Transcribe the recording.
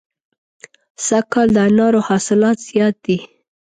سږ کال د انارو حاصلات زیات دي.